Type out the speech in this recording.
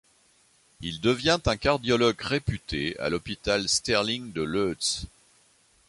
Il devient un cardiologue réputé à l'hôpital Sterling de Łódź.